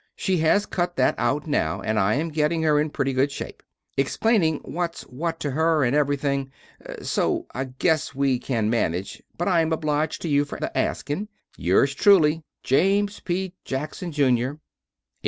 She has cut that out now, and I am gettin her in prety good shape. Explaning whats what to her and every thing. So I guess we can manige but I am obliged to you fer the asking. Yours truly, James P. Jackson Jr. Greenville Falls, N.